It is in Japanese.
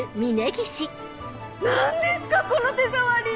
何ですかこの手触り！